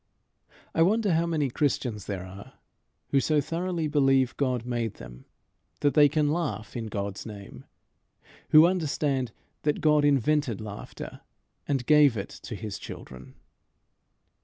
I wonder how many Christians there are who so thoroughly believe God made them that they can laugh in God's name; who understand that God invented laughter and gave it to his children.